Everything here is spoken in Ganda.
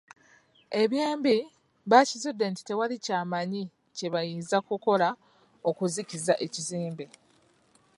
Eby'embi, baakizudde nti tewali kyamaanyi kye bayinza kukola okuzikiza ekizimbe.